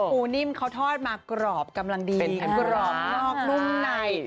ปูนิ่มเขาทอดมากรอบกำลังดีแถมกรอบนอกนุ่มใน